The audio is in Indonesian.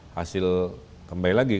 hasil kembali lagi